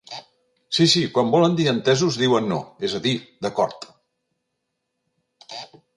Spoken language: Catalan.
Sí, sí, quan volen dir entesos diuen no, és a dir, d'acord.